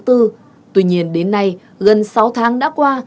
tuy nhiên đến nay gần sáu tháng đã qua